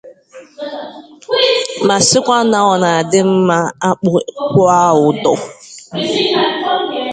ma sịkwa na ọ na-adị mma akpụ kwụọ ụdọ